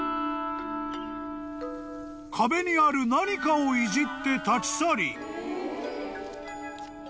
［壁にある何かをいじって立ち去り］